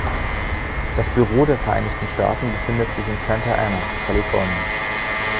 Das Büro der Vereinigten Staaten befindet sich in Santa Ana, Kalifornien.